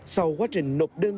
sau quá trình nộp đơn